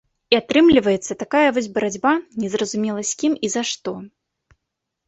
І атрымліваецца такая вось барацьба незразумела з кім і за што.